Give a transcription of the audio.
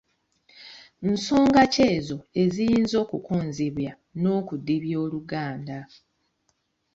Nsonga ki ezo eziyinza okukonzibya n’okudibya Oluganda?